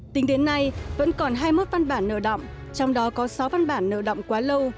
tính đến nay vẫn còn hai mươi một văn bản nợ động trong đó có sáu văn bản nợ động quá lâu